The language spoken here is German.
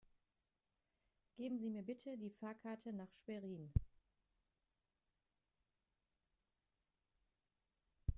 Geben Sie mir bitte die Fahrkarte nach Schwerin